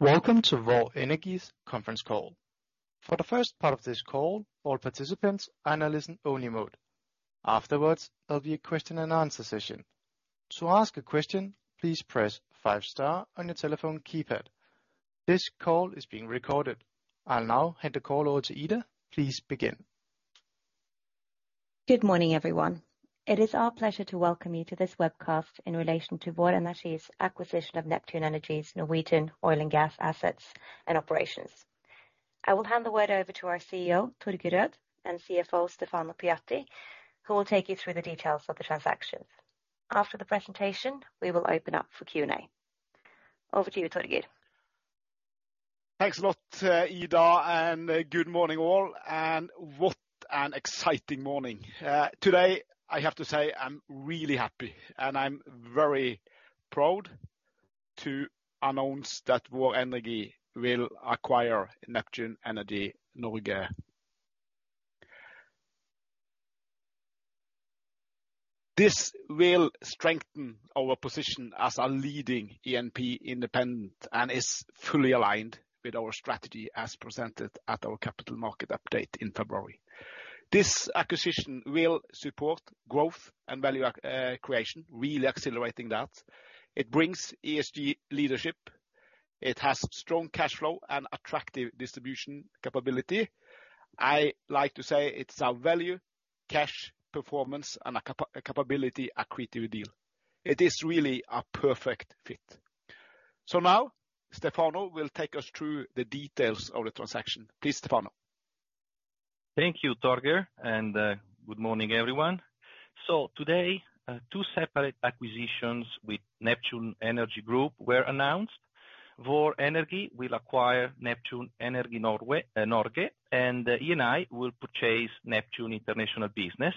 Welcome to Vår Energi's conference call. For the first part of this call, all participants are in a listen-only mode. Afterwards, there'll be a question and answer session. To ask a question, please press five star on your telephone keypad. This call is being recorded. I'll now hand the call over to Ida. Please begin. Good morning, everyone. It is our pleasure to welcome you to this webcast in relation to Vår Energi's acquisition of Neptune Energy's Norwegian oil and gas assets and operations. I will hand the word over to our CEO, Torger Rød, and CFO, Stefano Pujatti, who will take you through the details of the transaction. After the presentation, we will open up for Q&A. Over to you, Torger. Thanks a lot, Ida, and good morning all, and what an exciting morning. Today, I have to say I'm really happy, and I'm very proud to announce that Vår Energi will acquire Neptune Energy Norge. This will strengthen our position as a leading E&P independent, and is fully aligned with our strategy as presented at our capital market update in February. This acquisition will support growth and value creation, really accelerating that. It brings ESG leadership, it has strong cash flow and attractive distribution capability. I like to say it's a value, cash, performance, and a capability accretive deal. It is really a perfect fit. Now, Stefano will take us through the details of the transaction. Please, Stefano. Thank you, Torger, and good morning, everyone. Today, two separate acquisitions with Neptune Energy Group were announced. Vår Energi will acquire Neptune Energy Norway, Norge, and Eni will purchase Neptune International business,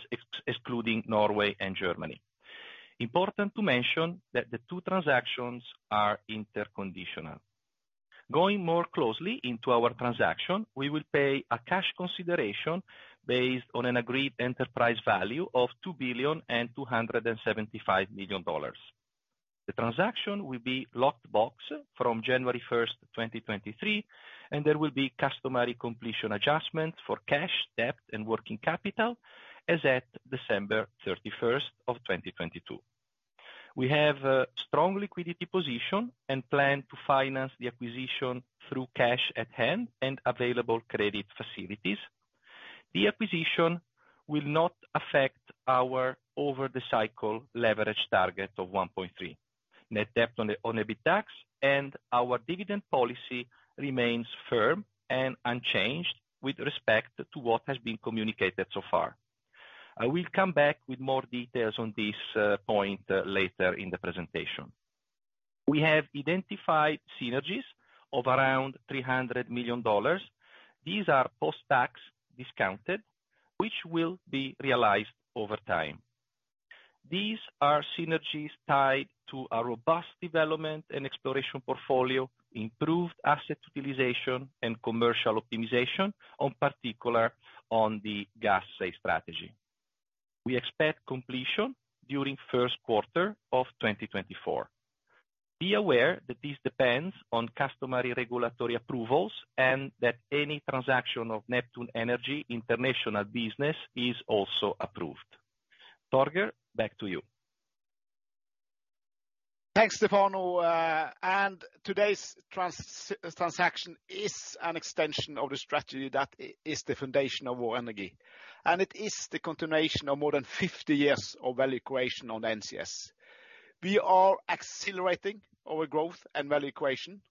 excluding Norway and Germany. Important to mention that the two transactions are interconditional. Going more closely into our transaction, we will pay a cash consideration based on an agreed enterprise value of $2.275 billion. The transaction will be locked box from January 1st, 2023, and there will be customary completion adjustment for cash, debt, and working capital as at December 31st, 2022. We have a strong liquidity position and plan to finance the acquisition through cash at hand and available credit facilities. The acquisition will not affect our over the cycle leverage target of 1.3. Net debt on EBITDAX and our dividend policy remains firm and unchanged with respect to what has been communicated so far. I will come back with more details on this point later in the presentation. We have identified synergies of around $300 million. These are post-tax discounted, which will be realized over time. These are synergies tied to a robust development and exploration portfolio, improved asset utilization, and commercial optimization, on particular on the gas safe strategy. We expect completion during first quarter of 2024. Be aware that this depends on customary regulatory approvals, that any transaction of Neptune Energy international business is also approved. Torger, back to you. Thanks, Stefano, and today's transaction is an extension of the strategy that is the foundation of Vår Energi, and it is the continuation of more than 50 years of value creation on the NCS. We are accelerating our growth and value creation.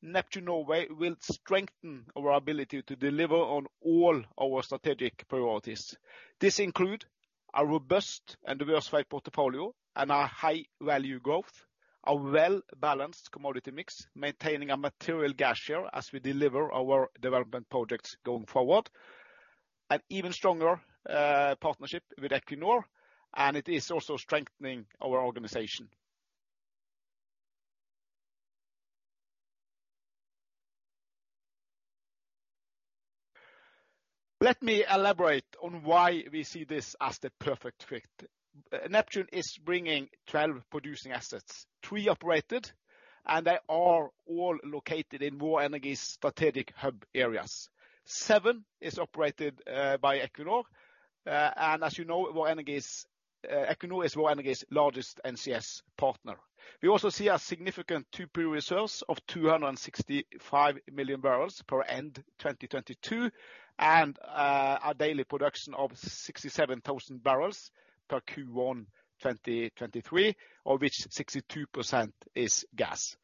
Neptune Norway will strengthen our ability to deliver on all our strategic priorities. This include a robust and diversified portfolio and a high value growth, a well-balanced commodity mix, maintaining a material gas share as we deliver our development projects going forward, an even stronger partnership with Equinor, and it is also strengthening our organization. Let me elaborate on why we see this as the perfect fit. Neptune is bringing 12 producing assets, three operated, and they are all located in Vår Energi's strategic hub areas. Seven is operated by Equinor, and as you know, Vår Energi's Equinor is Vår Energi's largest NCS partner. We also see a significant 2P results of 265 million bbl per end 2022, and a daily production of 67,000 bbl per Q1 2023, of which 62% is gas.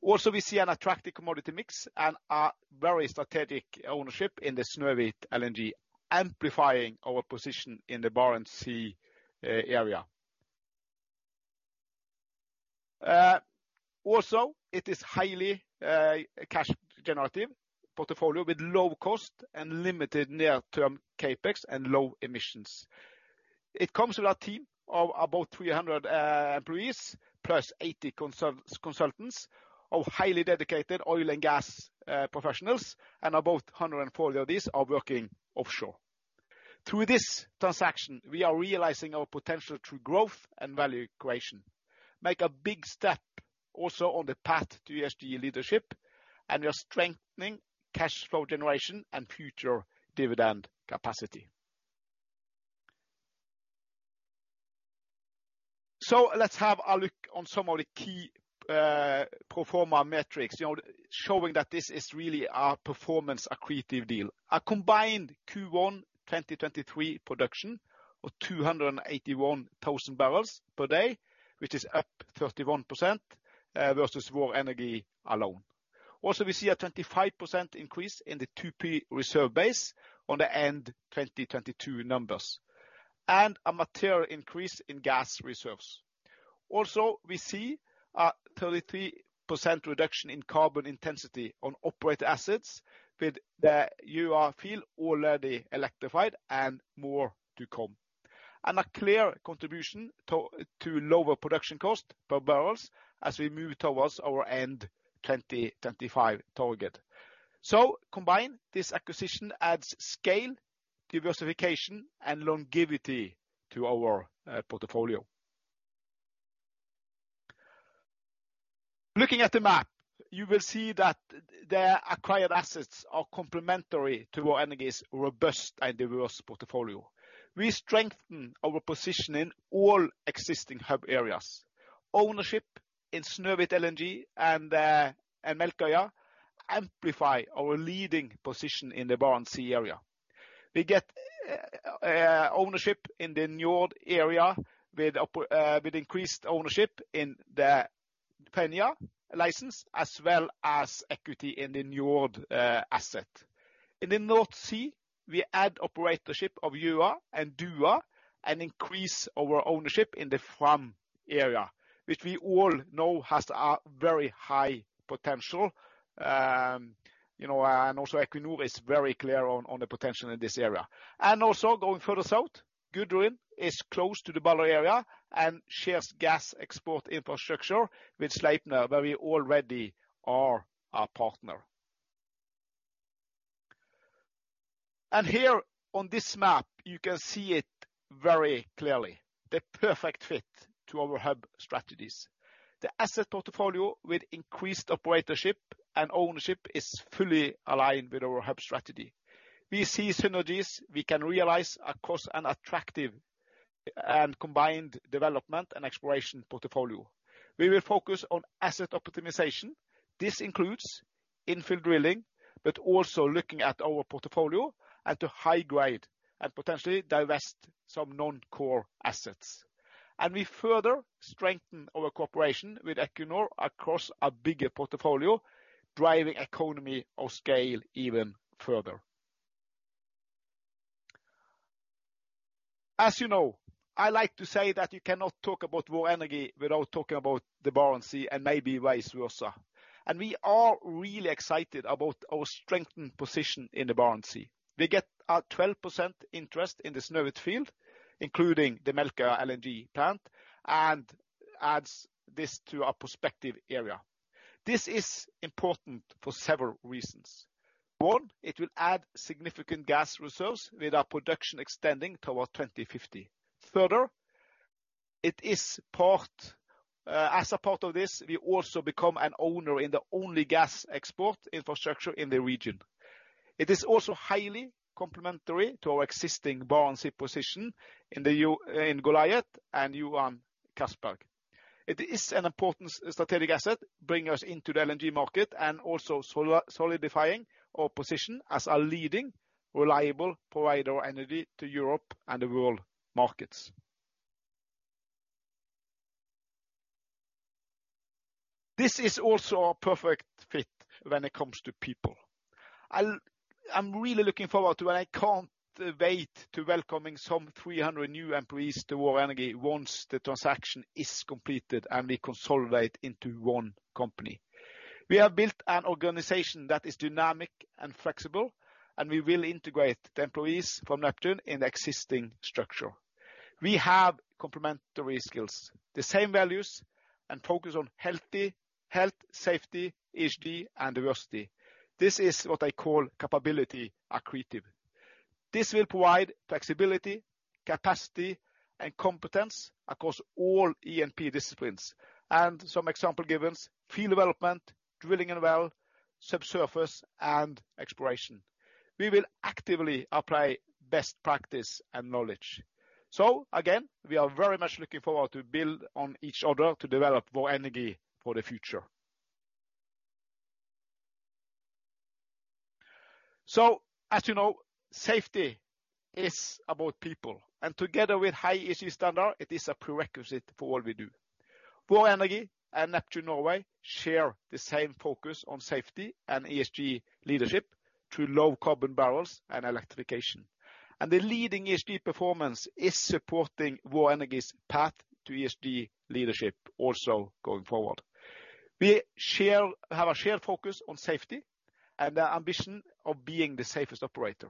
Also, we see an attractive commodity mix and a very strategic ownership in the Snøhvit LNG, amplifying our position in the Barents Sea area. Also, it is highly cash generative portfolio with low cost and limited near-term CapEx and low emissions. It comes with a team of about 300 employees, plus 80 consultants of highly dedicated oil and gas professionals, and about 140 of these are working offshore. Through this transaction, we are realizing our potential through growth and value creation. Make a big step also on the path to ESG leadership. We are strengthening cash flow generation and future dividend capacity. Let's have a look on some of the key pro forma metrics, you know, showing that this is really our performance accretive deal. A combined Q1 2023 production of 281,000 bbl per day, which is up 31% versus Vår Energi alone. Also, we see a 25% increase in the 2P reserve base on the end 2022 numbers, and a material increase in gas reserves. Also, we see a 33% reduction in carbon intensity on operated assets with the Gjøa field already electrified and more to come. A clear contribution to lower production cost per barrels as we move towards our end 2025 target. Combined, this acquisition adds scale, diversification, and longevity to our portfolio. Looking at the map, you will see that the acquired assets are complementary to Vår Energi's robust and diverse portfolio. We strengthen our position in all existing hub areas. Ownership in Snøhvit LNG and Melkøya amplify our leading position in the Barents Sea area. We get ownership in the Njord area with increased ownership in the Fenja license, as well as equity in the Njord asset. In the North Sea, we add operatorship of Gjøa and Duva, and increase our ownership in the Fram area, which we all know has a very high potential. You know, Equinor is very clear on the potential in this area. Going further south, Gudrun is close to the Balder area and shares gas export infrastructure with Sleipner, where we already are a partner. Here on this map, you can see it very clearly, the perfect fit to our hub strategies. The asset portfolio with increased operatorship and ownership is fully aligned with our hub strategy. We see synergies we can realize across an attractive and combined development and exploration portfolio. We will focus on asset optimization. This includes infill drilling, but also looking at our portfolio and to high grade and potentially divest some non-core assets. We further strengthen our cooperation with Equinor across a bigger portfolio, driving economy of scale even further. As you know, I like to say that you cannot talk about Vår Energi without talking about the Barents Sea and maybe West Rosa. We are really excited about our strengthened position in the Barents Sea. We get a 12% interest in the Snøhvit field, including the Melkøya LNG plant, and adds this to our prospective area. This is important for several reasons. One, it will add significant gas reserves with our production extending towards 2050. Further, as a part of this, we also become an owner in the only gas export infrastructure in the region. It is also highly complementary to our existing Barents Sea position in Goliat and Johan Castberg. It is an important strategic asset, bringing us into the LNG market and also solidifying our position as a leading, reliable provider of energy to Europe and the world markets. This is also a perfect fit when it comes to people. I'm really looking forward to, and I can't wait to welcoming some 300 new employees to Vår Energi once the transaction is completed and we consolidate into one company. We have built an organization that is dynamic and flexible, and we will integrate the employees from Neptune in the existing structure. We have complementary skills, the same values, and focus on health, safety, ESG, and diversity. This is what I call capability accretive. This will provide flexibility, capacity, and competence across all E&P disciplines, and some example givens: field development, drilling and well, subsurface, and exploration. We will actively apply best practice and knowledge. Again, we are very much looking forward to build on each other to develop Vår Energi for the future. As you know, safety is about people, and together with high ESG standard, it is a prerequisite for all we do. Vår Energi and Neptune Norway share the same focus on safety and ESG leadership through low carbon barrels and electrification. The leading ESG performance is supporting Vår Energi's path to ESG leadership also going forward. We have a shared focus on safety and the ambition of being the safest operator.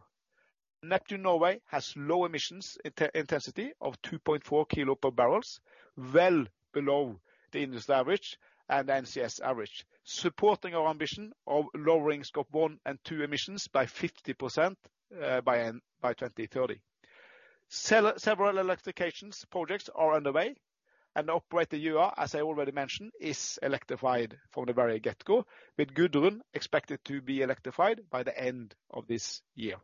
Neptune Norway has low emissions intensity of 2.4 kilo per barrels, well below the industry average and NCS average, supporting our ambition of lowering scope one and two emissions by 50%, by end, by 2030. Several electrifications projects are underway. Operator Gjøa, as I already mentioned, is electrified from the very get-go, with Gudrun expected to be electrified by the end of this year.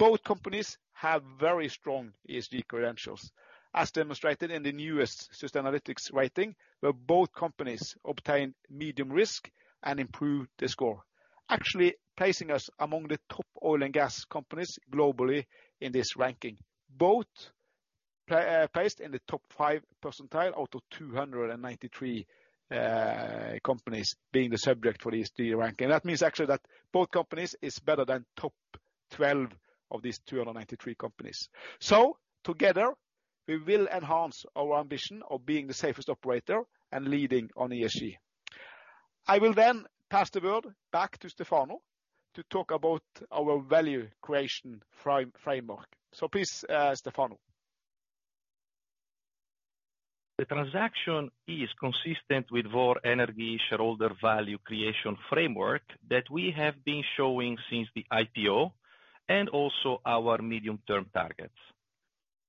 Both companies have very strong ESG credentials, as demonstrated in the newest Sustainalytics' rating, where both companies obtained medium risk and improved the score. Actually, placing us among the top oil and gas companies globally in this ranking. Both placed in the top 5 percentile out of 293 companies being the subject for ESG ranking. That means actually that both companies is better than top 12 of these 293 companies. Together, we will enhance our ambition of being the safest operator and leading on ESG. I will then pass the word back to Stefano to talk about our value creation framework. Please, Stefano. The transaction is consistent with our Vår Energi shareholder value creation framework that we have been showing since the IPO, and also our medium-term targets.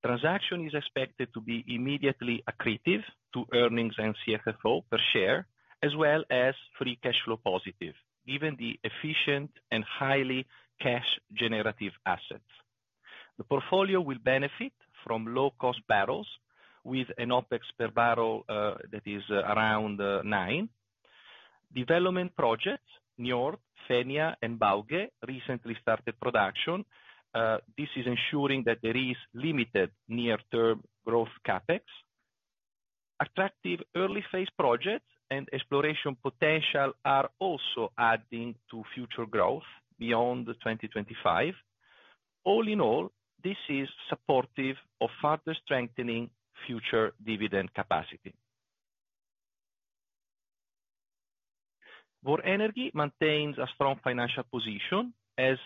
Transaction is expected to be immediately accretive to earnings and CFFO per share, as well as free cash flow positive, given the efficient and highly cash generative assets. The portfolio will benefit from low-cost barrels with an OpEx per barrel that is around $9. Development projects, Njord, Fenja, and Bauge, recently started production. This is ensuring that there is limited near-term growth CapEx. Attractive early phase projects and exploration potential are also adding to future growth beyond 2025. All in all, this is supportive of further strengthening future dividend capacity. Vår Energi maintains a strong financial position. As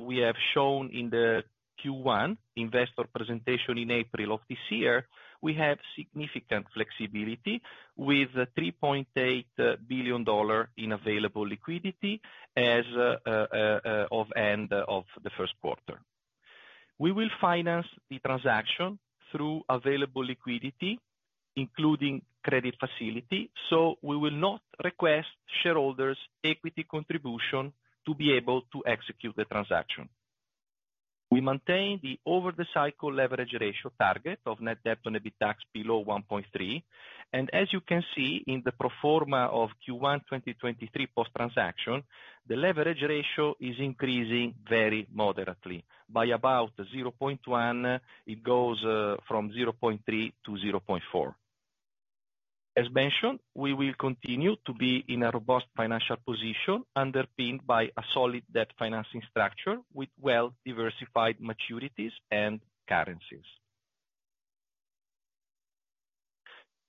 we have shown in the Q1 investor presentation in April of this year, we have significant flexibility with $3.8 billion in available liquidity as of end of the first quarter. We will finance the transaction through available liquidity, including credit facility. We will not request shareholders equity contribution to be able to execute the transaction. We maintain the over the cycle leverage ratio target of net debt on EBITDA below 1.3. As you can see in the pro forma of Q1 2023 post-transaction, the leverage ratio is increasing very moderately by about 0.1. It goes from 0.3 to 0.4. As mentioned, we will continue to be in a robust financial position, underpinned by a solid debt financing structure with well-diversified maturities and currencies.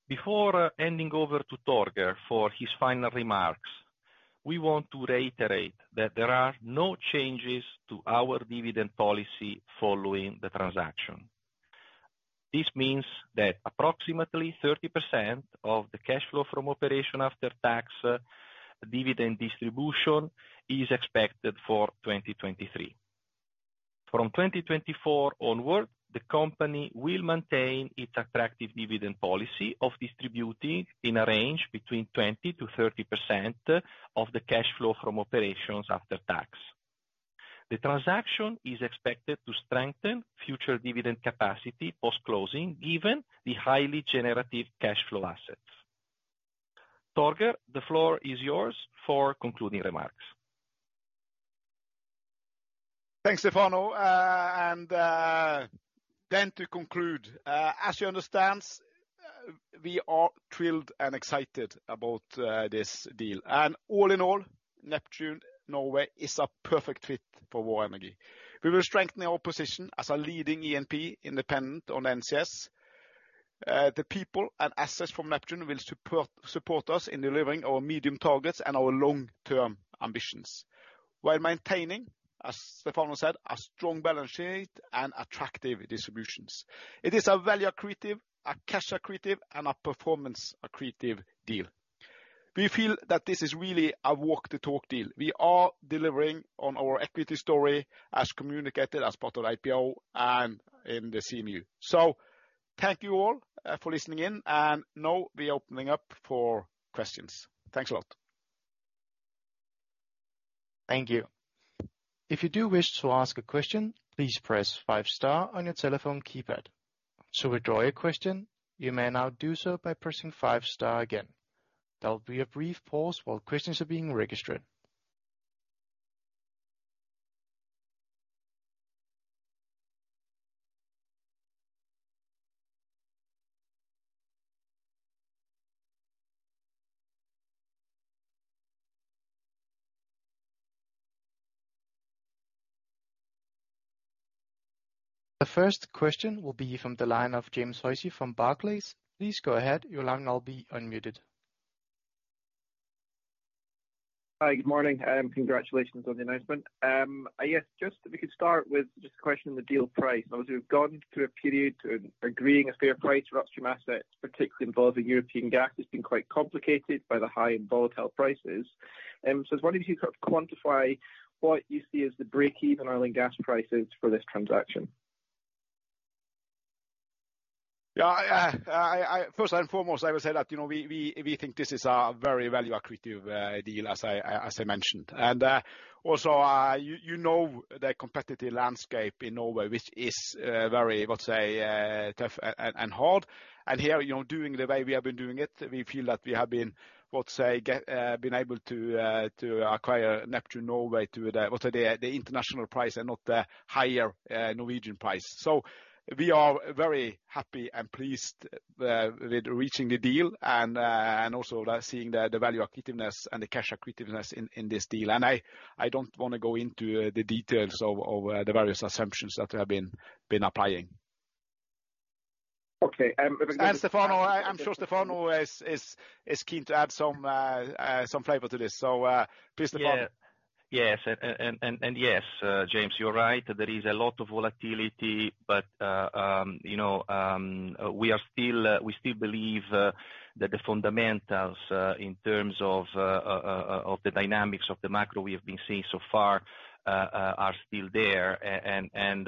Before handing over to Torger for his final remarks, we want to reiterate that there are no changes to our dividend policy following the transaction. This means that approximately 30% of the cash flow from operation after tax, dividend distribution, is expected for 2023. From 2024 onward, the company will maintain its attractive dividend policy of distributing in a range between 20%-30% of the cash flow from operations after tax. The transaction is expected to strengthen future dividend capacity post-closing, given the highly generative cash flow assets. Torger, the floor is yours for concluding remarks. Thanks, Stefano. To conclude, as you understands, we are thrilled and excited about this deal. All in all, Neptune Norway is a perfect fit for Vår Energi. We will strengthen our position as a leading E&P, independent on NCS. The people and assets from Neptune will support us in delivering our medium targets and our long-term ambitions, while maintaining, as Stefano said, a strong balance sheet and attractive distributions. It is a value accretive, a cash accretive, and a performance accretive deal. We feel that this is really a walk-the-talk deal. We are delivering on our equity story as communicated, as part of IPO and in the CMU. Thank you all for listening in, and now we opening up for questions. Thanks a lot. Thank you. If you do wish to ask a question, please press five star on your telephone keypad. To withdraw your question, you may now do so by pressing five star again. There will be a brief pause while questions are being registered. The first question will be from the line of James Hosie from Barclays. Please go ahead. Your line will now be unmuted. Hi, good morning, congratulations on the announcement. I guess just if we could start with just a question on the deal price. Obviously, we've gone through a period to agreeing a fair price for upstream assets, particularly involving European gas. It's been quite complicated by the high and volatile prices. I was wondering if you could quantify what you see as the break-even oil and gas prices for this transaction? Yeah, I, first and foremost, I would say that, you know, we think this is a very value accretive deal, as I mentioned. Also, you know, the competitive landscape in Norway, which is very, let's say, tough and hard, and here, you know, doing the way we have been doing it, we feel that we have been, let's say, able to acquire Neptune Norway to the international price and not the higher Norwegian price. We are very happy and pleased with reaching the deal and also seeing the value accretiveness and the cash accretiveness in this deal. I don't wanna go into the details of the various assumptions that we have been applying. Okay. Stefano, I'm sure Stefano is keen to add some flavor to this, so please, Stefano. Yes, James, you're right, there is a lot of volatility, but, you know, we are still, we still believe that the fundamentals in terms of the dynamics of the macro we have been seeing so far are still there.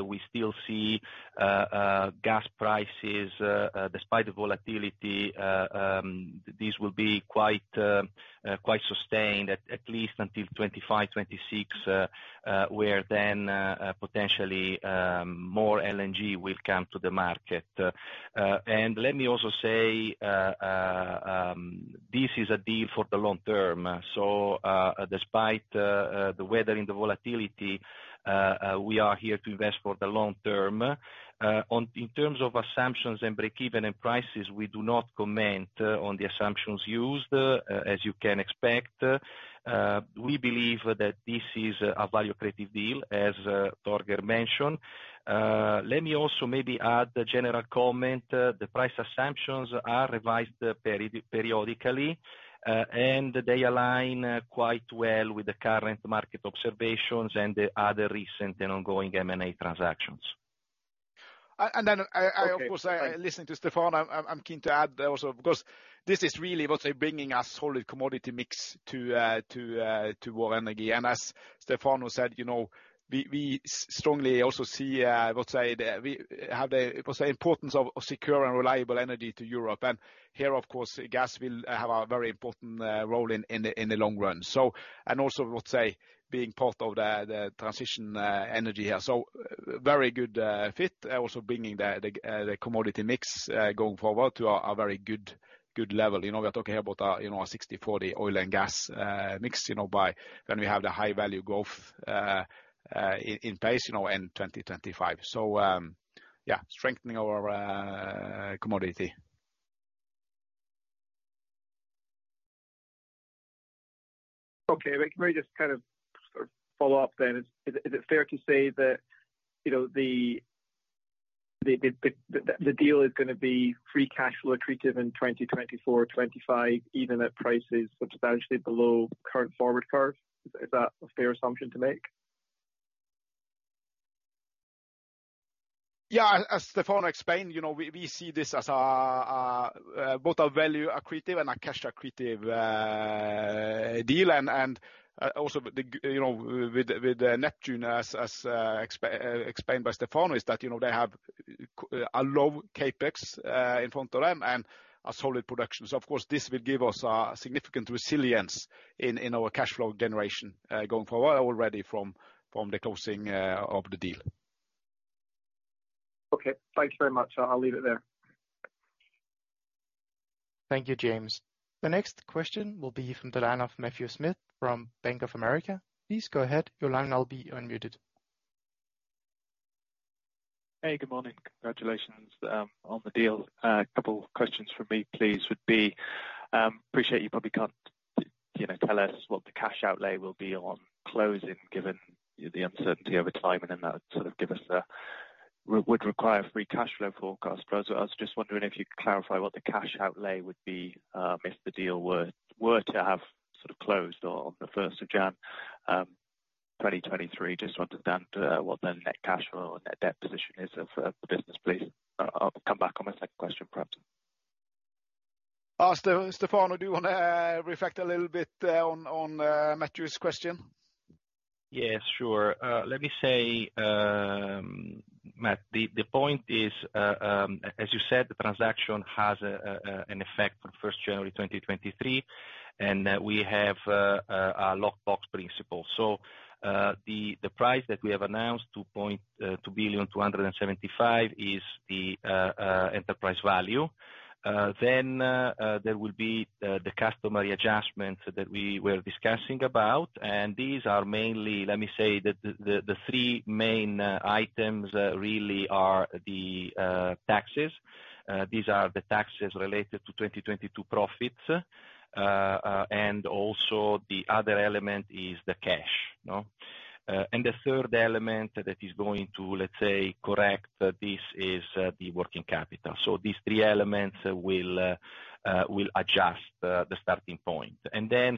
We still see gas prices, despite the volatility, this will be quite quite sustained at least until 2025, 2026, where then potentially more LNG will come to the market. Let me also say, this is a deal for the long term. Despite the weather and the volatility, we are here to invest for the long term. On, in terms of assumptions and breakeven and prices, we do not comment on the assumptions used, as you can expect. We believe that this is a value accretive deal, as Torger mentioned. Let me also maybe add a general comment. The price assumptions are revised peri-periodically, and they align quite well with the current market observations and the other recent and ongoing M&A transactions. Then I, of course, I listened to Stefano. I'm keen to add also, because this is really what they're bringing us solid commodity mix to Vår Energi. As Stefano said, you know, we strongly also see, let's say the, we have the, let's say, importance of secure and reliable energy to Europe. Here, of course, gas will have a very important role in the long run. Also, let's say, being part of the transition energy here. Very good fit also bringing the commodity mix going forward to a very good level. You know, we're talking about, you know, a 60/40 oil and gas mix, you know, by when we have the high value growth in place, you know, in 2025. Yeah, strengthening our commodity. Can we just kind of follow up then? Is it fair to say that, you know, the deal is gonna be free cash flow accretive in 2024, 2025, even at prices substantially below current forward curve? Is that a fair assumption to make? As Stefano explained, you know, we see this as a both a value accretive and a cash accretive deal. Also, you know, with Neptune, as explained by Stefano, is that, you know, they have a low CapEx in front of them and a solid production. Of course, this will give us a significant resilience in our cash flow generation going forward already from the closing of the deal. Okay. Thanks very much. I'll leave it there. Thank you, James. The next question will be from the line of Matthew Smith from Bank of America. Please go ahead. Your line now will be unmuted. Hey, good morning. Congratulations on the deal. A couple of questions from me, please, would be, appreciate you probably can't, you know, tell us what the cash outlay will be on closing, given the uncertainty over time. Would require free cash flow forecast. I was just wondering if you could clarify what the cash outlay would be if the deal were to have sort of closed on the 1st of Jan, 2023. Just to understand what the net cash flow and net debt position is of the business, please. I'll come back on my second question perhaps. Stefano, do you wanna reflect a little bit on Matthew's question? Yes, sure. Let me say, Matt, the point is, as you said, the transaction has an effect on first January 2023, and we have a lock box principle. The price that we have announced, $2.275 billion, is the enterprise value. There will be the customary adjustments that we were discussing about, and these are mainly, let me say that the three main items really are the taxes. These are the taxes related to 2022 profits, and also the other element is the cash, no? The third element that is going to, let's say, correct, this is the working capital. These three elements will adjust the starting point.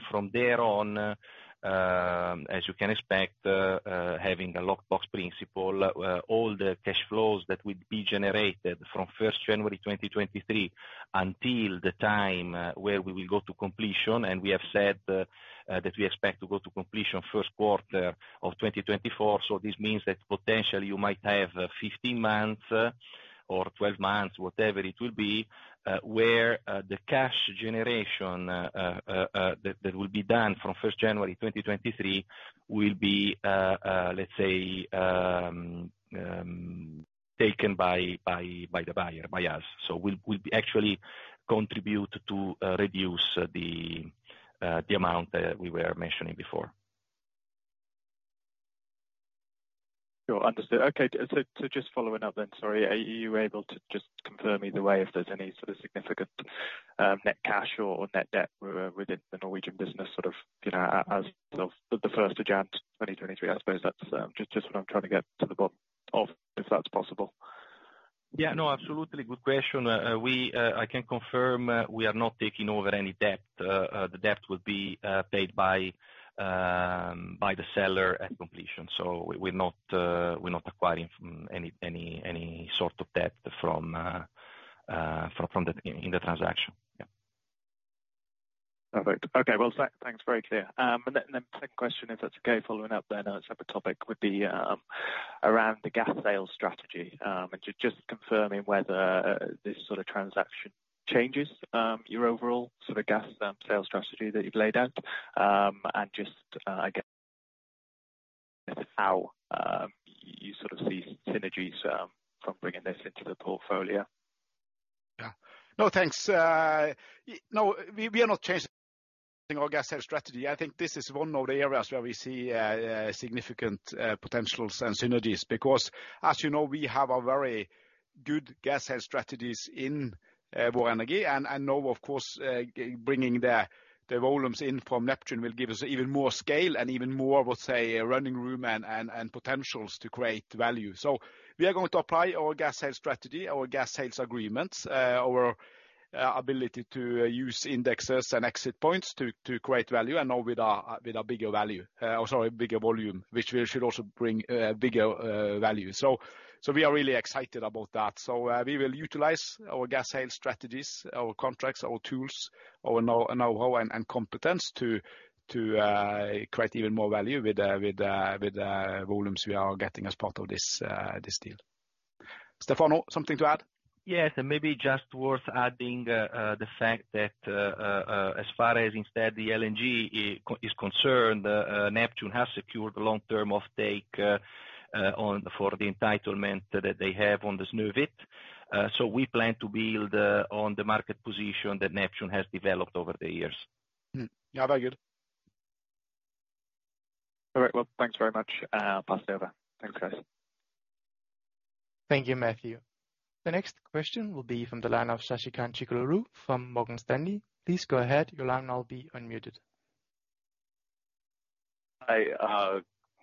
From there on, as you can expect, having a lock box principle, all the cash flows that would be generated from 1st January 2023 until the time where we will go to completion, and we have said that we expect to go to completion first quarter of 2024. This means that potentially you might have 15 months or 12 months, whatever it will be, where the cash generation that will be done from 1st January 2023 will be, let's say, taken by the buyer, by us. We'll actually contribute to reduce the amount we were mentioning before. Sure, understood. Just following up then, sorry. Are you able to just confirm either way if there's any sort of significant net cash or net debt within the Norwegian business, sort of, you know, as of January 1st, 2023? I suppose that's just what I'm trying to get to the bottom of, if that's possible. Yeah, no, absolutely good question. We I can confirm we are not taking over any debt. The debt will be paid by the seller at completion. We're not acquiring from any sort of debt from the in the transaction. Yeah. Perfect. Okay, well, thanks, very clear. Then second question, if that's okay, following up then on a separate topic, would be, around the gas sales strategy. Just confirming whether this sort of transaction changes your overall sort of gas sales strategy that you've laid out? Just, I guess, how you sort of see synergies from bringing this into the portfolio? Yeah. No, thanks. No, we are not changing our gas sale strategy. I think this is one of the areas where we see significant potentials and synergies. Because, as you know, we have a very good gas sale strategies in Vår Energi. Of course, bringing the volumes in from Neptune will give us even more scale and even more, we'll say, running room and potentials to create value. We are going to apply our gas sale strategy, our gas sales agreements, our ability to use indexes and exit points to create value, and now with a bigger value, or sorry, bigger volume, which should also bring bigger value. We are really excited about that. We will utilize our gas sale strategies, our contracts, our tools, our knowhow and competence to create even more value with volumes we are getting as part of this deal. Stefano, something to add? Yes, and maybe just worth adding, the fact that as far as the LNG is concerned, Neptune has secured long-term offtake on, for the entitlement that they have on the Snøhvit. We plan to build on the market position that Neptune has developed over the years. Yeah, very good. All right, well, thanks very much. I'll pass it over. Thanks, guys. Thank you, Matthew. The next question will be from the line of Sasikanth Chilukuru from Morgan Stanley. Please go ahead. Your line will now be unmuted. Hi,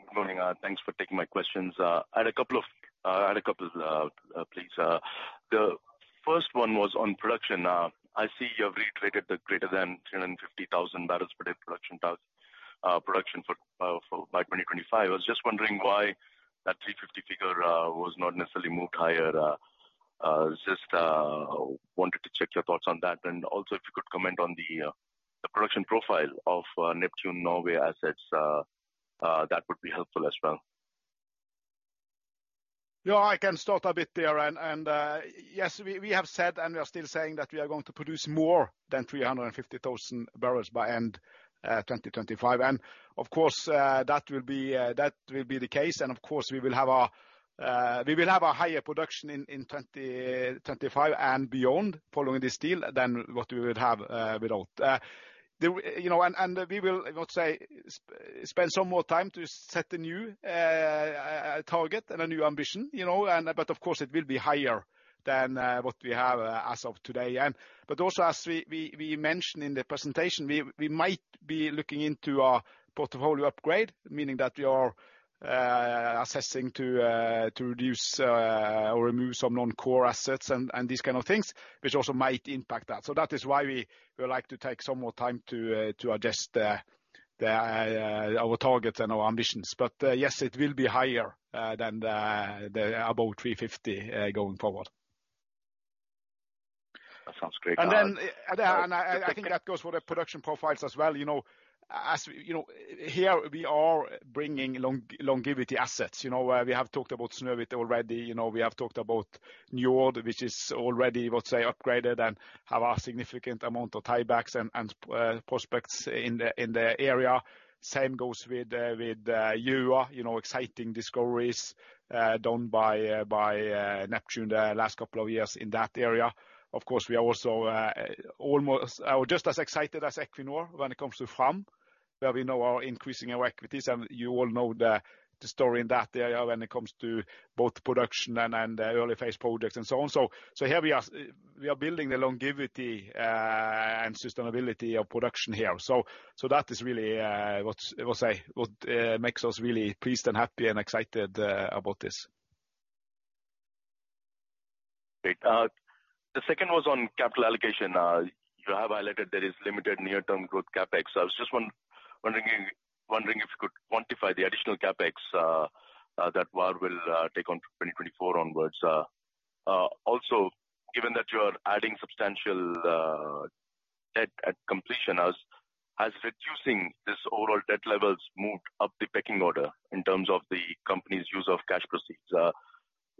good morning. Thanks for taking my questions. I had a couple of, please. The first one was on production. I see you have reiterated the greater than 350,000 bbl per day production target, production for by 2025. I was just wondering why that 350 figure was not necessarily moved higher. Just wanted to check your thoughts on that. Also, if you could comment on the production profile of Neptune Norway assets, that would be helpful as well. Yeah, I can start a bit there. Yes, we have said, and we are still saying, that we are going to produce more than 350,000 bbl by end, 2025. Of course, that will be, that will be the case. Of course, we will have a, we will have a higher production in 2025 and beyond, following this deal, than what we would have without. You know, we will, let's say, spend some more time to set a new, target and a new ambition, you know. Of course, it will be higher than what we have as of today. Also as we mentioned in the presentation, we might be looking into a portfolio upgrade, meaning that we are assessing to reduce or remove some non-core assets and these kind of things, which also might impact that. That is why we would like to take some more time to adjust our targets and our ambitions. Yes, it will be higher than about $350 going forward. That sounds great. I think that goes for the production profiles as well. You know, as we, you know, here we are bringing long-longevity assets, you know, where we have talked about Snøhvit already. You know, we have talked about Njord, which is already, let's say, upgraded and have a significant amount of tiebacks and prospects in the area. Same goes with Gjøa, you know, exciting discoveries done by Neptune the last couple of years in that area. Of course, we are also almost just as excited as Equinor when it comes to Fram, where we know are increasing our equities. You all know the story in that area when it comes to both production and early phase projects, and so on. Here we are, we are building the longevity and sustainability of production here. That is really, what I say, what makes us really pleased and happy and excited about this. was on capital allocation. You have highlighted there is limited near-term growth CapEx. I was just wondering if you could quantify the additional CapEx that Vår Energi will take on from 2024 onwards. Also, given that you are adding substantial debt at completion, has reducing this overall debt levels moved up the pecking order in terms of the company's use of cash proceeds?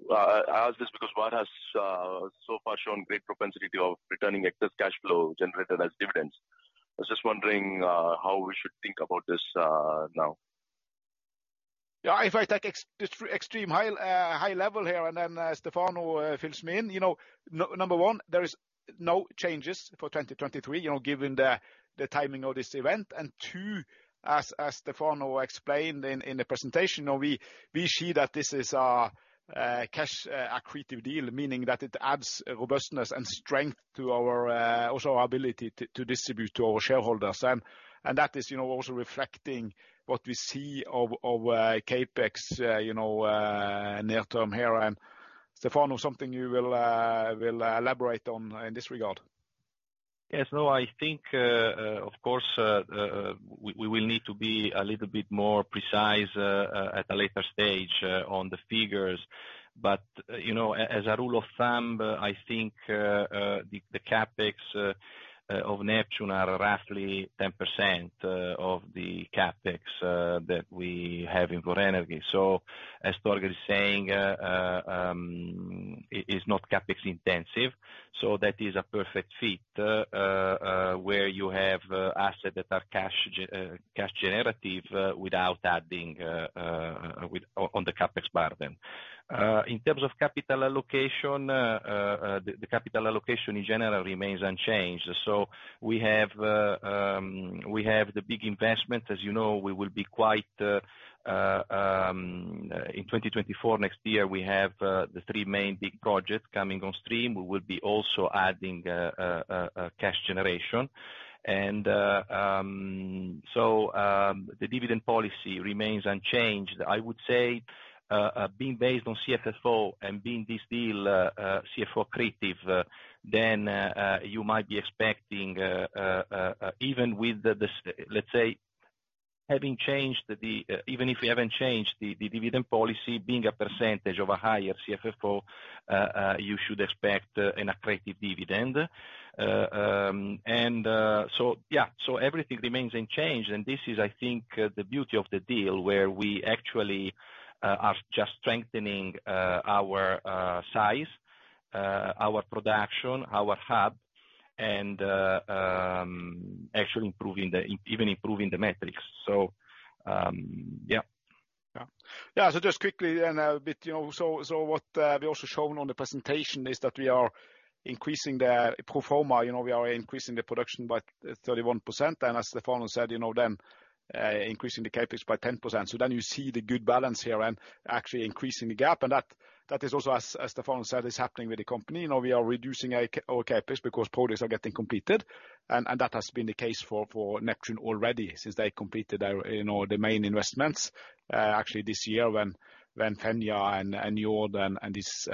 What has so far shown great propensity of returning excess cash flow generated as dividends. I was just wondering how we should think about this now Yeah, if I take extreme high, high level here, and then Stefano fills me in. You know, number one, there is no changes for 2023, you know, given the timing of this event. Two, as Stefano explained in the presentation, you know, we see that this is a cash accretive deal, meaning that it adds robustness and strength to our also our ability to distribute to our shareholders. That is, you know, also reflecting what we see of CapEx, you know, near term here, Stefano, something you will elaborate on in this regard. Yes. No, I think, of course, we will need to be a little bit more precise at a later stage on the figures. You know, as a rule of thumb, I think, the CapEx of Neptune are roughly 10% of the CapEx that we have in Vår Energi. As Torger is saying, it is not CapEx intensive, so that is a perfect fit where you have assets that are cash gen, cash generative, without adding on the CapEx part then. In terms of capital allocation, the capital allocation in general remains unchanged. We have the big investment. As you know, we will be quite in 2024, next year, we have the three main big projects coming on stream. We will be also adding cash generation. The dividend policy remains unchanged. I would say, being based on CFFO and being this deal CFFO accretive, then you might be expecting, even if we haven't changed the dividend policy, being a percentage of a higher CFFO, you should expect an accretive dividend. Yeah, so everything remains unchanged, and this is, I think, the beauty of the deal, where we actually are just strengthening our size, our production, our hub, and actually improving the, even improving the metrics. Yeah. Yeah. Yeah, just quickly, and a bit, you know, what we also shown on the presentation is that we are increasing the pro forma. You know, we are increasing the production by 31%, and as Stefano said, you know, then increasing the CapEx by 10%. Then you see the good balance here, and actually increasing the gap, and that is also, as Stefano said, is happening with the company. You know, we are reducing our CapEx because projects are getting completed, and that has been the case for Neptune already, since they completed our, you know, the main investments, actually this year when Fenja and Njord, and these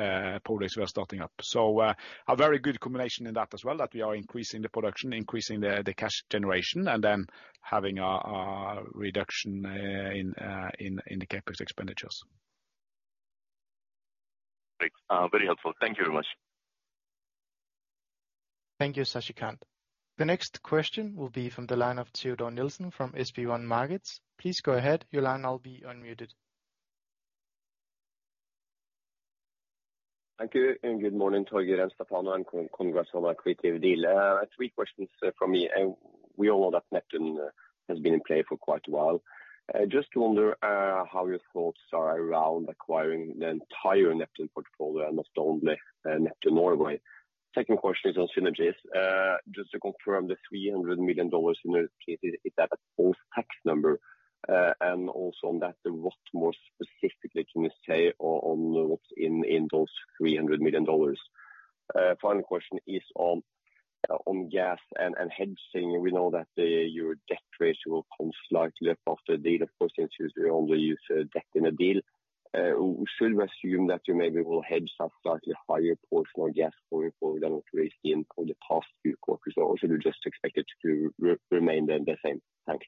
projects were starting up. A very good combination in that as well, that we are increasing the production, increasing the cash generation, and then having a reduction in the CapEx expenditures. Great. very helpful. Thank you very much. Thank you, Sasikanth. The next question will be from the line of Teodor Sveen-Nilsen from SB1 Markets. Please go ahead, your line now will be unmuted. Thank you, good morning, Torger and Stefano, and congrats on accretive deal. Three questions from me. We all know that Neptune has been in play for quite a while. Just to wonder how your thoughts are around acquiring the entire Neptune portfolio and not only Neptune Norway? Second question is on synergies. Just to confirm the $300 million in the case, is that a post-tax number? Also on that, what more specifically can you say on what's in those $300 million? Final question is on gas and hedging. We know that your debt ratio will come slightly up after the deal, of course, since you only use debt in the deal. Should we assume that you maybe will hedge a slightly higher portion of gas going forward than what we've seen over the past few quarters, or should we just expect it to remain the same? Thanks.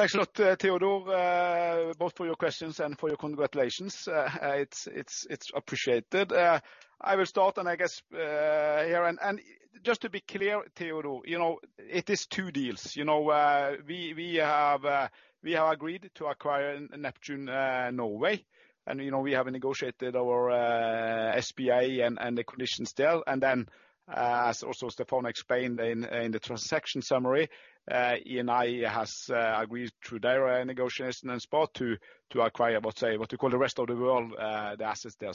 Thanks a lot, Teodor, both for your questions and for your congratulations. It's appreciated. I will start, and I guess here, and just to be clear, Teodor, you know, it is two deals. You know, we have agreed to acquire Neptune Norway, and, you know, we have negotiated our RBL and the conditions there. As also Stefano explained in the transaction summary, Eni has agreed through their negotiation and spot to acquire, let's say, what you call the rest of the world, the assets there.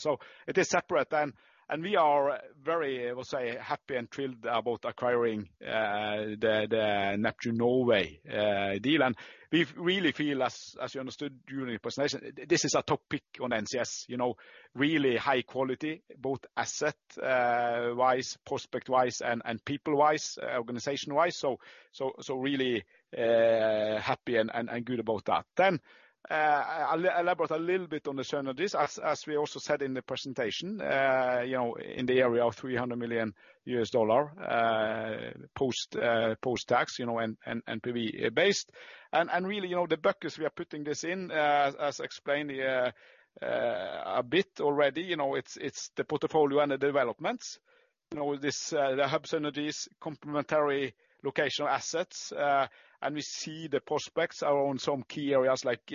It is separate, and we are very, we'll say, happy and thrilled about acquiring the Neptune Norway deal. We really feel as you understood during the presentation, this is a topic on NCS. You know, really high quality, both asset wise, prospect-wise, and people-wise, organization-wise, so really happy and good about that. I'll elaborate a little bit on the synergies, as we also said in the presentation, you know, in the area of $300 million post-tax, you know, and maybe based. Really, you know, the buckets we are putting this in, as explained a bit already, you know, it's the portfolio and the developments. You know, this, the hub synergies, complementary locational assets, we see the prospects around some key areas like,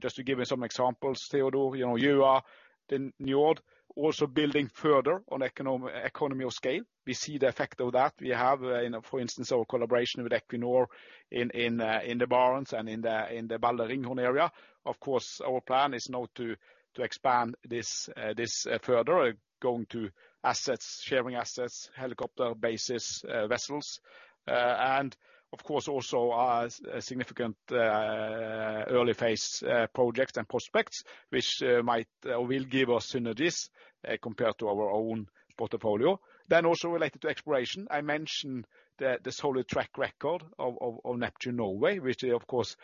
just to give you some examples, Teodor, you know, you are in Njord, also building further on economy of scale. We see the effect of that. We have, you know, for instance, our collaboration with Equinor in the Barents and in the Balder/Ringhorne area. Of course, our plan is now to expand this further, going to assets, sharing assets, helicopter, bases, vessels. Of course, also, significant early phase projects and prospects, which might or will give us synergies compared to our own portfolio. Also related to exploration, I mentioned the solid track record of Neptune Norway, which is, of course.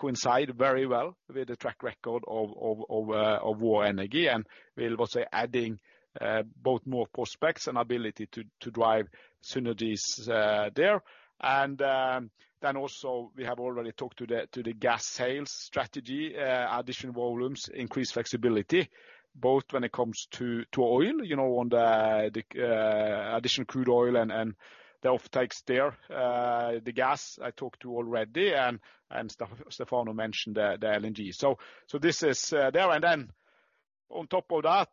Coincide very well with the track record of Vår Energi, and we'll also adding both more prospects and ability to drive synergies there. Then also we have already talked to the gas sales strategy, additional volumes, increased flexibility, both when it comes to oil, you know, on the additional crude oil and the offtakes there. The gas, I talked to already, and Stefano mentioned the LNG. This is, there, and then on top of that,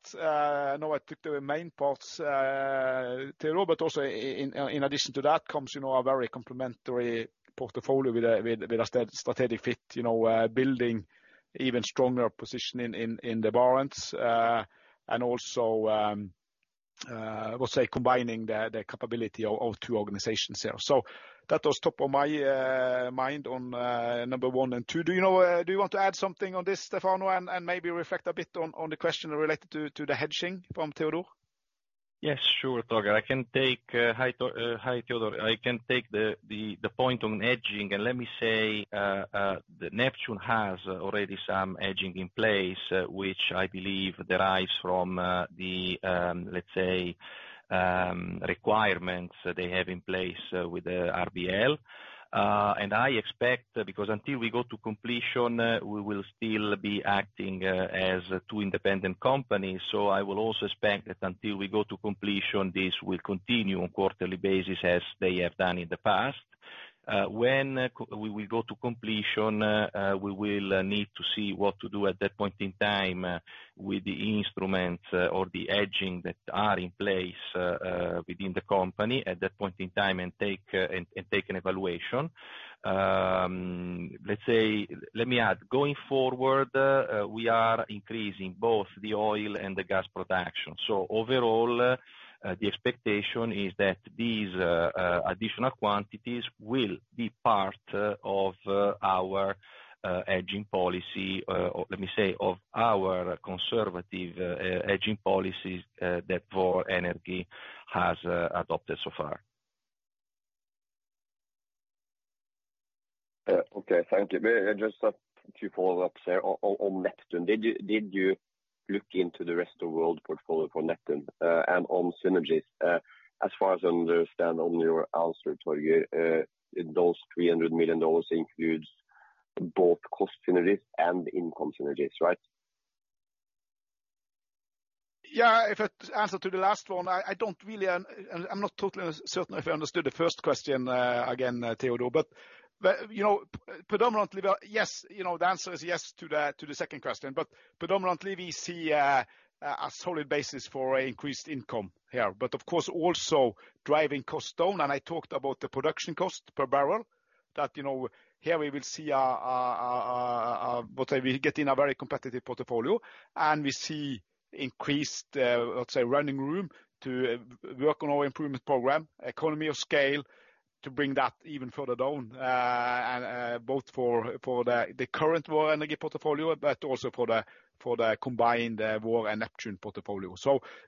I know I took the main parts, Teodor, but also in addition to that comes, you know, a very complimentary portfolio with a strategic fit, you know, building even stronger position in the Barents, and also, let's say, combining the capability of two organizations there. That was top of my mind on number one and two. Do you know, do you want to add something on this, Stefano, and maybe reflect a bit on the question related to the hedging from Teodor? Yes, sure, Torger. Hi, Theodore. I can take the point on hedging. Let me say that Neptune has already some hedging in place, which I believe derives from the, let's say, requirements that they have in place with the RBL. I expect, because until we go to completion, we will still be acting as two independent companies, so I will also expect that until we go to completion, this will continue on quarterly basis, as they have done in the past. When we will go to completion, we will need to see what to do at that point in time, with the instruments or the hedging that are in place within the company at that point in time and take and take an evaluation. Let's say, let me add, going forward, we are increasing both the oil and the gas production. Overall, the expectation is that these additional quantities will be part of our hedging policy, or let me say, of our conservative hedging policies that Vår Energi has adopted so far. Okay, thank you. Just two follow-ups there. On Neptune, did you look into the rest of world portfolio for Neptune, and on synergies? As far as I understand on your answer, Torger, those $300 million includes both cost synergies and income synergies, right? Yeah, if I answer to the last one, I don't really, and I'm not totally certain if I understood the first question again, Teodor. You know, predominantly, well, yes, you know, the answer is yes to the second question. Predominantly we see a solid basis for increased income here, but of course, also driving costs down. I talked about the production cost per barrel, that, you know, here we will see our what we get in a very competitive portfolio, and we see increased, let's say, running room to work on our improvement program, economy of scale, to bring that even further down. And both for the current Vår Energi portfolio, but also for the combined Vår and Neptune portfolio.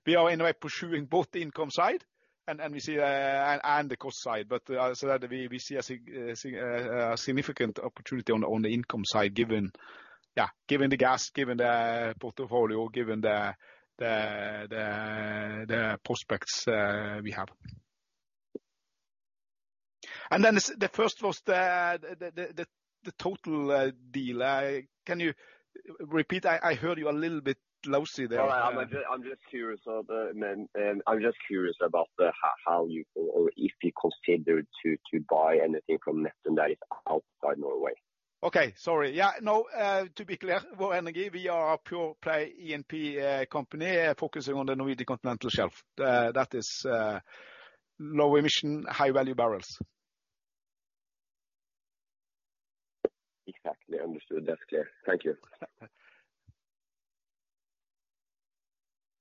We are in a way pursuing both the income side and we see and the cost side, but so that we see a significant opportunity on the income side, given the gas, given the portfolio, given the prospects we have. The first was the total deal. Can you repeat? I heard you a little bit lousy there. I'm just curious of the, I'm just curious about the how you or if you consider to buy anything from Neptune that is outside Norway? Okay. Sorry. Yeah, no, to be clear, Vår Energi, we are a pure play E&P company, focusing on the Norwegian Continental Shelf. That is, low emission, high value barrels. Exactly. Understood. That's clear. Thank you.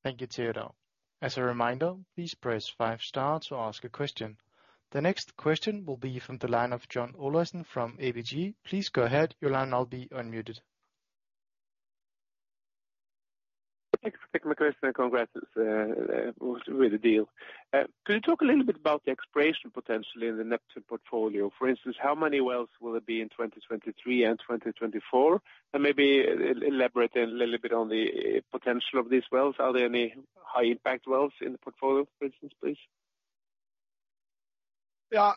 Thank you, Teodor. As a reminder, please press five star to ask a question. The next question will be from the line of John Olaisen from ABG. Please go ahead, your line will now be unmuted. Thanks for taking my question. Congrats with the deal. Can you talk a little bit about the exploration potential in the Neptune portfolio? For instance, how many wells will there be in 2023 and 2024? Maybe elaborate a little bit on the potential of these wells. Are there any high impact wells in the portfolio, for instance, please? Yeah,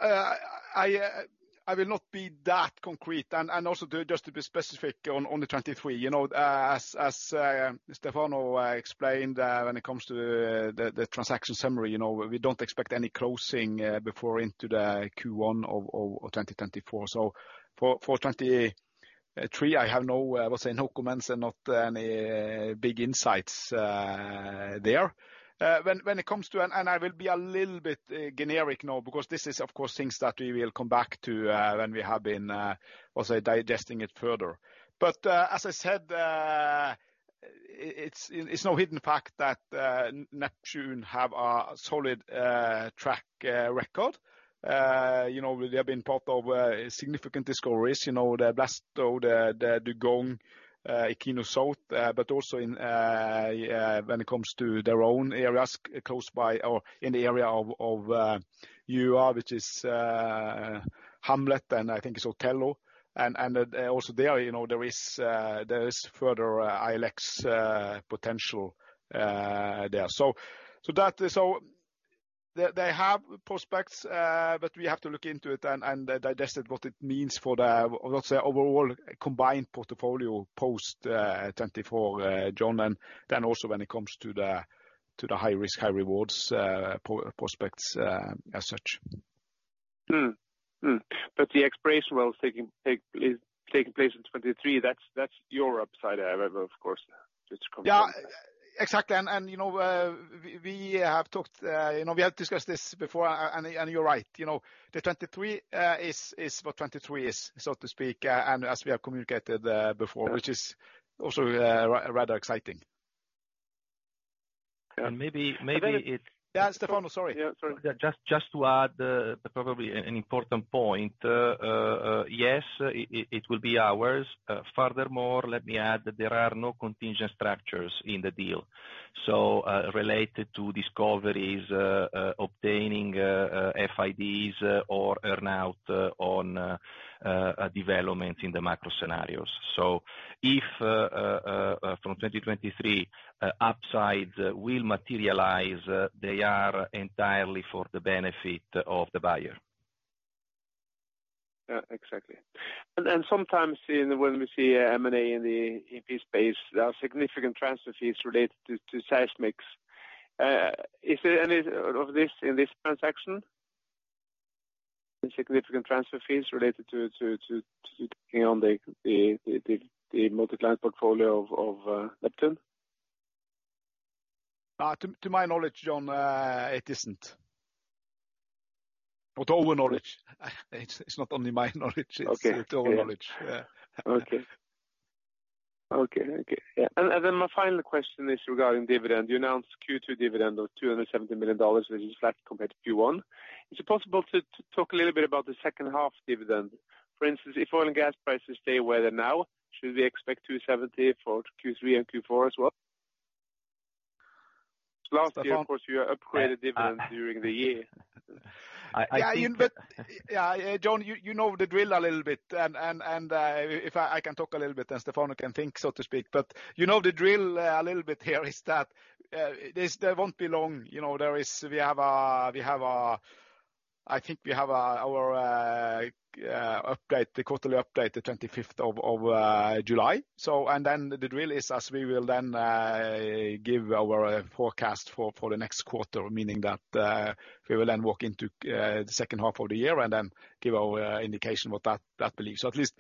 I will not be that concrete. Also to, just to be specific, on the 23, you know, as Stefano Pujatti explained, when it comes to the transaction summary, you know, we don't expect any closing before into the Q1 of 2024. For 23, I have no, let's say, no comments and not any big insights there. I will be a little bit generic now, because this is, of course, things that we will come back to when we have been also digesting it further. As I said, it's no hidden fact that Neptune have a solid track record. You know, they have been part of significant discoveries, you know, the Blasto, the Dugong, Fram Sør, but also in, when it comes to their own areas, close by or in the area of UR, which is Hamlet and I think it's Othello. Also there, you know, there is further ILX potential there. So that, they have prospects, but we have to look into it and digest it, what it means for the, what's the overall combined portfolio post 2024, John, and then also when it comes to the high risk, high rewards prospects as such. The exploration well is taking place in 2023, that's your upside, however, of course, it's coming. Yeah, exactly. You know, we have talked, you know, we have discussed this before, and you're right. You know, the 2023 is what 2023 is, so to speak, and as we have communicated before, which is also rather exciting. Maybe- Yeah, Stefano, sorry. Yeah, just to add, probably an important point, yes, it will be ours. Furthermore, let me add that there are no contingent structures in the deal. Related to discoveries, obtaining FIDs or earn-out, on a development in the macro scenarios. If, from 2023, upside will materialize, they are entirely for the benefit of the buyer. Exactly. Sometimes when we see M&A in the E&P space, there are significant transfer fees related to seismics. Is there any of this in this transaction, any significant transfer fees related to taking on the multi-client portfolio of Neptune? to my knowledge, John, it isn't. With all the knowledge, it's not only my knowledge. Okay. It's total knowledge. Yeah. Okay. Okay, okay. My final question is regarding dividend. You announced Q2 dividend of $270 million, which is flat compared to Q1. Is it possible to talk a little bit about the second half dividend? For instance, if oil and gas prices stay where they're now, should we expect $270 for Q3 and Q4 as well? Stefano- Last year, of course, you upgraded dividend during the year. I think. Yeah, in. Yeah, John, you know the drill a little bit. If I can talk a little bit, and Stefano can think, so to speak. You know, the drill a little bit here is that there won't be long, you know, there is, we have a, we have a, I think we have a, our update, the quarterly update, the 25th of July. The drill is, as we will then give our forecast for the next quarter, meaning that we will then walk into the second half of the year and then give our indication what that believes. At least-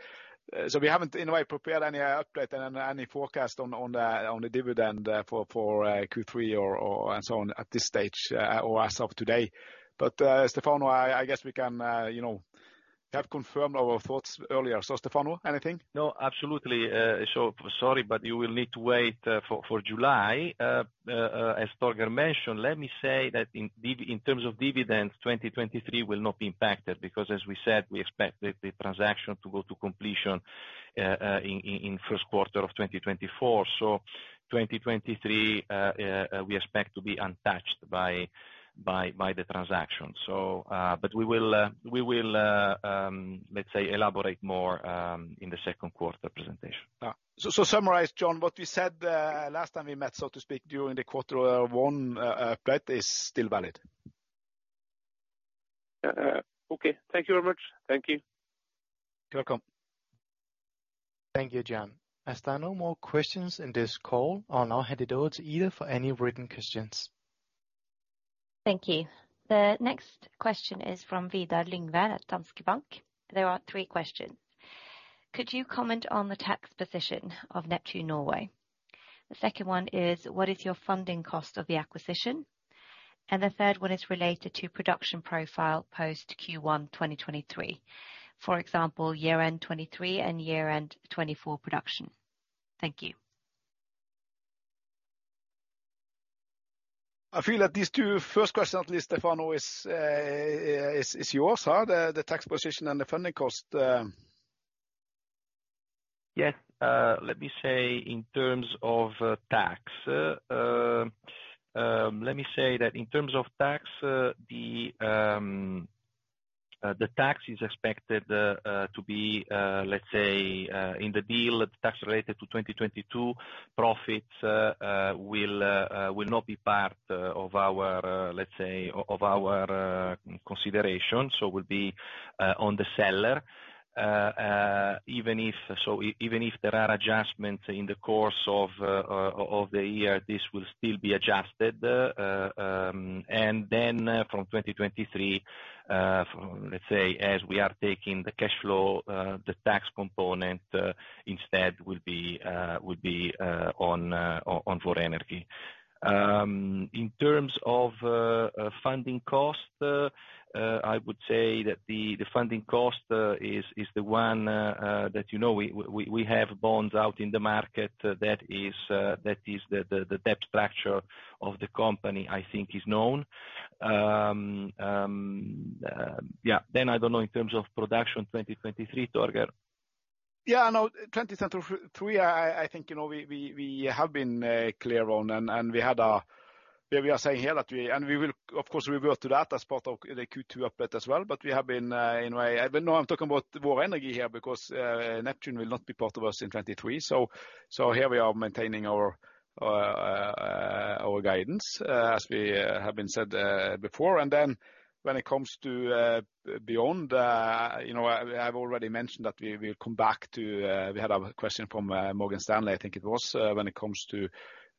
We haven't in a way prepared any update and any forecast on the dividend for Q3 or and so on at this stage or as of today. Stefano, I guess we can, you know, have confirmed our thoughts earlier. Stefano, anything? No, absolutely. Sorry, but you will need to wait for July. As Torger mentioned, let me say that in terms of dividends, 2023 will not be impacted, because as we said, we expect the transaction to go to completion in first quarter of 2024. 2023 we expect to be untouched by the transaction. We will let's say, elaborate more in the second quarter presentation. Summarize, John, what we said, last time we met, so to speak, during the quarter one update, is still valid. Okay. Thank you very much. Thank you. You're welcome. Thank you, John. As there are no more questions in this call, I'll now hand it over to Ida for any written questions. Thank you. The next question is from Vidar Lyngvær at Danske Bank. There are three questions. Could you comment on the tax position of Neptune Norway? The second one is, what is your funding cost of the acquisition? The third one is related to production profile post Q1, 2023. For example, year-end 2023 and year-end 2024 production. Thank you. I feel that these two first questions, at least, Stefano, is yours, huh? The tax position and the funding cost. Yes. Let me say in terms of tax, let me say that in terms of tax, the tax is expected to be, let's say, in the deal, the tax rate to 2022 profits will not be part of our, let's say, of our consideration, so will be on the seller. Even if, so even if there are adjustments in the course of the year, this will still be adjusted. Then, from 2023, let's say, as we are taking the cash flow, the tax component instead will be on Vår Energi. In terms of funding cost, I would say that the funding cost is the one that, you know, we have bonds out in the market. That is the debt structure of the company, I think is known. Yeah. I don't know, in terms of production, 2023, Torger? No, 2023, I think, you know, we have been clear on, and we will, of course, revert to that as part of the Q2 update as well. We have been in a way, even though I'm talking about Vår Energi here, because Neptune will not be part of us in 2023. Here we are maintaining our guidance as we have been said before. When it comes to beyond, you know, I've already mentioned that we'll come back to, we had a question from Morgan Stanley, I think it was, when it comes to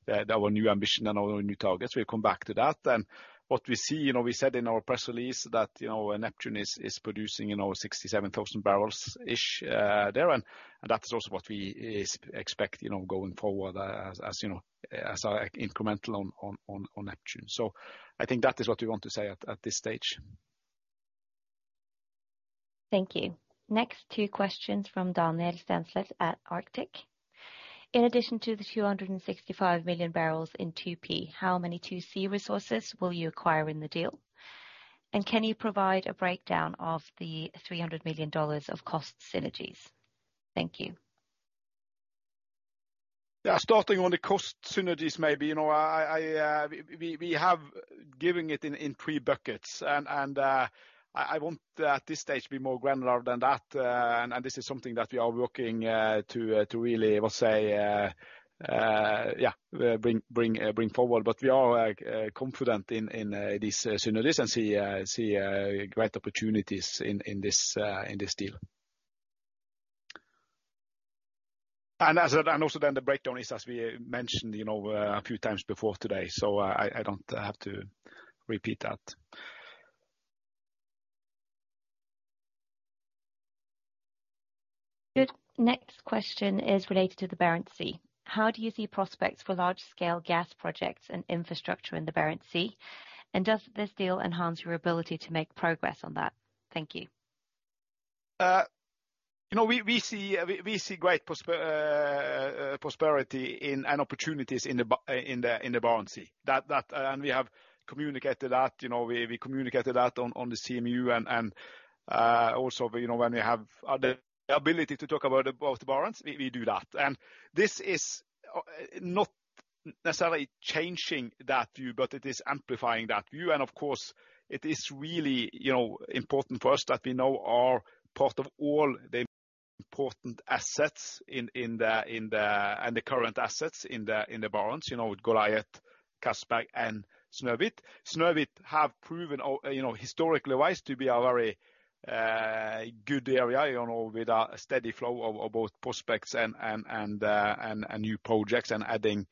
our new ambition and our new targets. We'll come back to that. What we see, you know, we said in our press release that, you know, Neptune is producing, you know, 67,000 bbl-ish there, that is also what we expect, you know, going forward as, you know, as our incremental on Neptune. I think that is what we want to say at this stage. Thank you. Next, two questions from Daniel Stenslet at Arctic. In addition to the 265 million bbl in 2P, how many 2C resources will you acquire in the deal? Can you provide a breakdown of the $300 million of cost synergies? Thank you. Yeah, starting on the cost synergies, maybe, you know, I, we have given it in three buckets. I won't, at this stage, be more granular than that, and this is something that we are working to really, let's say, yeah, bring forward. We are confident in these synergies and see great opportunities in this deal. As I, and also then the breakdown is, as we mentioned, you know, a few times before today, I don't have to repeat that. Good. Next question is related to the Barents Sea. How do you see prospects for large-scale gas projects and infrastructure in the Barents Sea? Does this deal enhance your ability to make progress on that? Thank you. You know, we see great prosperity in, and opportunities in the Barents Sea. That, we have communicated that, you know, we communicated that on the CMU and also, you know, when we have the ability to talk about the Barents, we do that. This is not necessarily changing that view, but it is amplifying that view. Of course, it is really, you know, important for us that we know are part of all the important assets in the, and the current assets in the Barents, you know, with Goliat, Castberg, and Snøhvit. Snøhvit have proven, you know, historically wise, to be a very good area, you know, with a steady flow of both prospects and new projects, and adding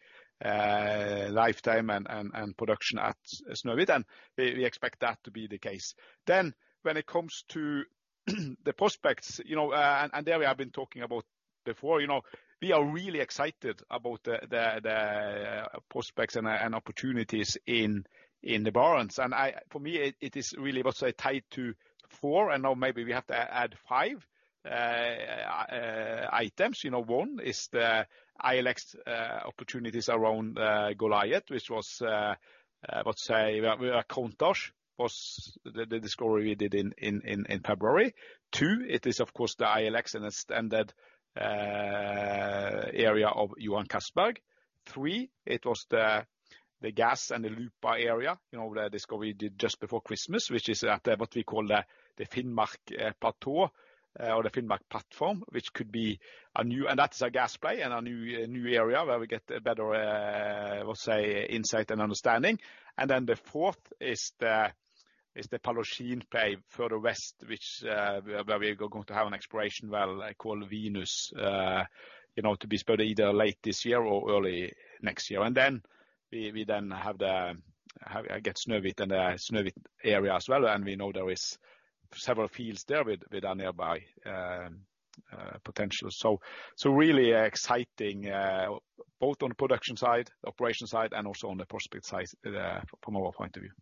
lifetime and production at Snøhvit, and we expect that to be the case. When it comes to the prospects, you know, and there we have been talking about before, you know, we are really excited about the prospects and opportunities in the Barents. For me, it is really, let's say, tied to four, and now maybe we have to add five items. You know, one is the ILX opportunities around Goliat, which was, let's say, Countach was the discovery we did in February. Two, it is, of course, the ILX in the standard area of Johan Castberg. Three, it was the gas and the Lupa area, you know, the discovery we did just before Christmas, which is at what we call the Finnmark Plateau or the Finnmark Platform, which could be a new. That's a gas play and a new area where we get better, let's say, insight and understanding. The fourth is the Paeocene play further west, which we are going to have an exploration well called Venus, you know, to be spudded either late this year or early next year. We then have the get Snøhvit and Snøhvit area as well. We know there is several fields there with a nearby potential. Really exciting, both on the production side, operation side, and also on the prospect side, from our point of view.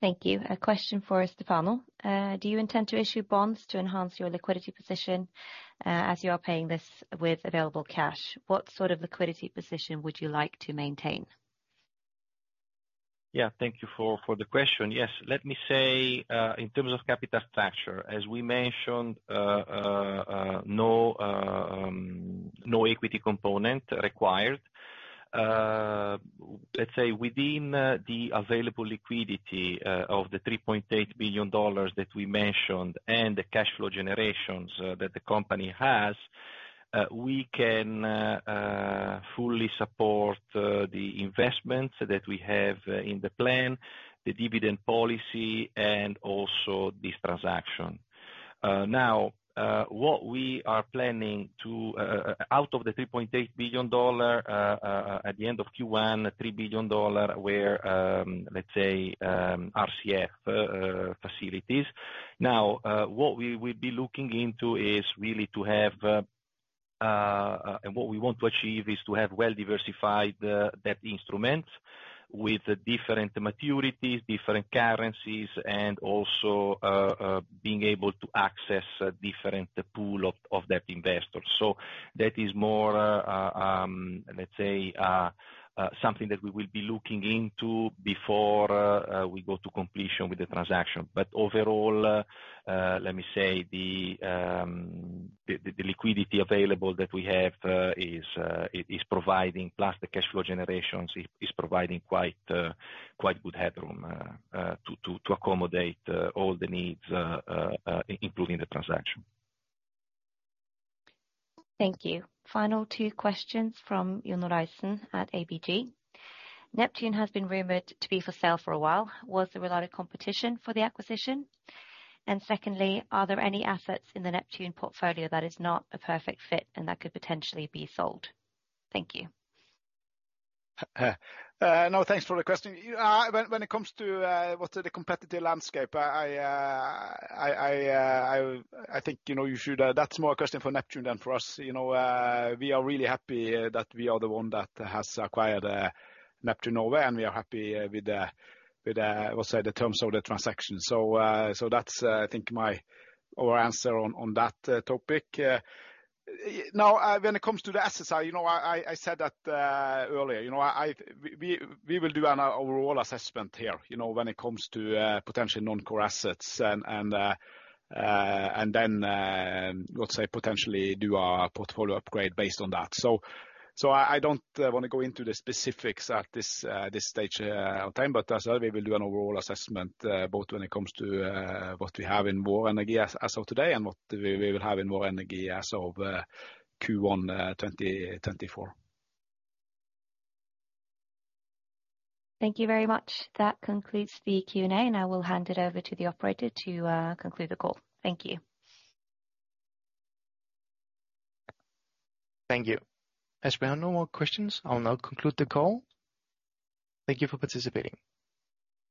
Thank you. A question for Stefano. Do you intend to issue bonds to enhance your liquidity position, as you are paying this with available cash? What sort of liquidity position would you like to maintain? Yeah, thank you for the question. Yes, let me say, in terms of capital structure, as we mentioned, no equity component required. Let's say within the available liquidity of the $3.8 billion that we mentioned and the cash flow generations that the company has, we can fully support the investments that we have in the plan, the dividend policy, and also this transaction. Now, what we are planning to out of the $3.8 billion at the end of Q1, $3 billion, where, let's say, RCF facilities. Now, what we will be looking into is really to have, and what we want to achieve, is to have well-diversified debt instrument with different maturities, different currencies, and also, being able to access a different pool of that investor. That is more, let's say, something that we will be looking into before we go to completion with the transaction. Overall, let me say, the liquidity available that we have, is providing plus the cash flow generations, is providing quite good headroom, to accommodate, all the needs, including the transaction. Thank you. Final two questions from Jon Raison at ABG. Neptune has been rumored to be for sale for a while. Was there a lot of competition for the acquisition? Secondly, are there any assets in the Neptune portfolio that is not a perfect fit and that could potentially be sold? Thank you. No, thanks for the question. When it comes to what are the competitive landscape, I think, you know, you should, that's more a question for Neptune than for us. You know, we are really happy that we are the one that has acquired Neptune now, and we are happy with the, with the, let's say, the terms of the transaction. That's, I think my, our answer on that topic. When it comes to the assets, you know, I said that earlier, you know, we will do an overall assessment here, you know, when it comes to potential non-core assets and, and then, let's say, potentially do our portfolio upgrade based on that. I don't want to go into the specifics at this stage of time, but as well, we will do an overall assessment, both when it comes to what we have in Vår Energi as of today, and what we will have in Vår Energi as of Q1 2024. Thank you very much. That concludes the Q&A. I will hand it over to the operator to conclude the call. Thank you. Thank you. As we have no more questions, I will now conclude the call. Thank you for participating.